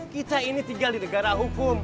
kita ini tinggal di negara hukum